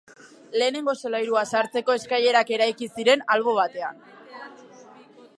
Lehenengo solairura sartzeko eskailerak eraiki ziren albo batean.